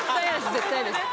絶対嫌です。